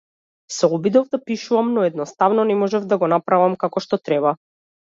Се обидов да пишувам, но едноставно не можев да го направам како што треба.